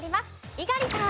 猪狩さん。